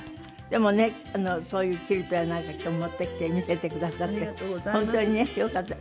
でもねそういうキルトやなんか今日持ってきて見せてくださって本当にねよかった。